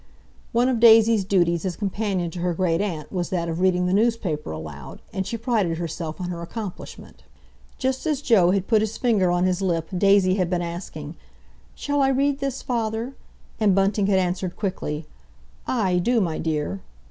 One of Daisy's duties as companion to her great aunt was that of reading the newspaper aloud, and she prided herself on her accomplishment. Just as Joe had put his finger on his lip Daisy had been asking, "Shall I read this, father?" And Bunting had answered quickly, "Aye, do, my dear."